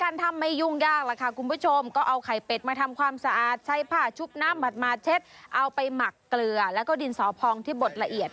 รูปน้ำหมัดมาเช็ดเอาไปหมักเกลือและก็ดินสอพองที่บดละเอียด